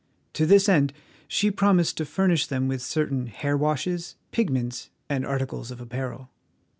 To this end she promised to furnish them with certain hair washes, pigments, and articles of apparel.